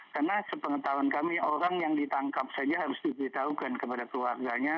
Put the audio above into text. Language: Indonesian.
karena sepengetahuan kami orang yang ditangkap saja harus diberitahukan kepada keluarganya